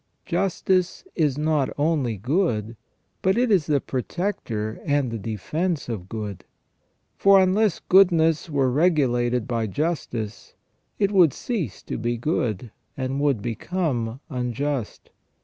Justice is not only good, but it is the protector and the defence of good ; for unless goodness were regulated by justice, it would cease to be good, and would become unjust.